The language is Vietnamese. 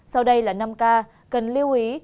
sau đây là năm ca cần lưu ý